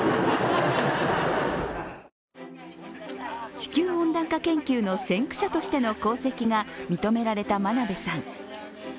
地球温暖化研究の先駆者としての功績が認められた真鍋さん。